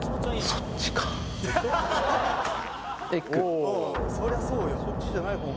そっちじゃない方が？